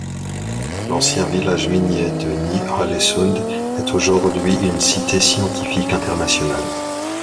L'ancien village minier de Ny-Ålesund est aujourd'hui une cité scientifique internationale.